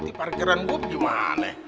di parkiran gua gimana